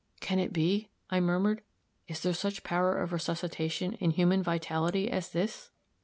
"Can it be?" I murmured. "Is there such power of resuscitation in human vitality as this?"